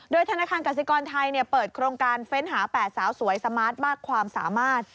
ธนาคารกสิกรไทยเปิดโครงการเฟ้นหา๘สาวสวยสมาร์ทมากความสามารถ